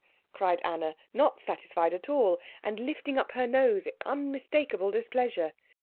_" cried Anna, not satisfied at all, and lifting up her nose in unmistakeable displeasure.